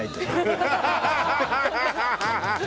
ハハハハ！